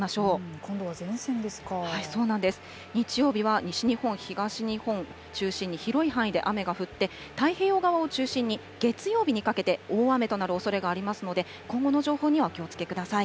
日曜日は西日本、東日本中心に広い範囲で雨が降って、太平洋側を中心に、月曜日にかけて大雨となるおそれがありますので、今後の情報にはお気をつけください。